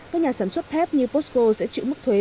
các nhà sản xuất thép như costco sẽ chịu mức thuế bốn mươi một một